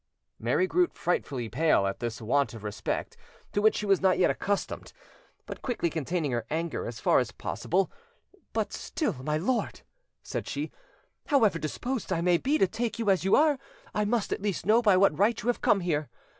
Mary grew frightfully pale at this want of respect, to which she was not yet accustomed; but quickly containing her anger, as far as possible— "But still, my lord," said she, "however disposed I may be to take you as you are, I must at least know by what right you come here.